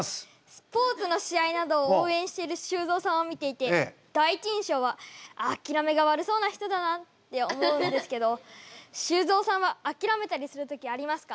スポーツの試合などを応援している修造さんを見ていて第一印象はあきらめが悪そうな人だなって思うんですけど修造さんはあきらめたりする時ありますか？